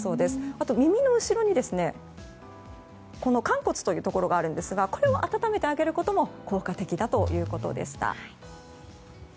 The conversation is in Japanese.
あと耳の後ろに完骨というところがあるんですがこれを温めてあげることも効果的だということです。